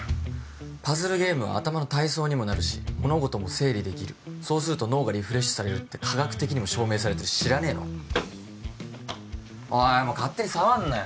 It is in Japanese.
パズルゲームは頭の体操にもなるし物事も整理できるそうすると脳がリフレッシュされるって科学的にも証明されてる知らねえの？おい勝手に触んなよ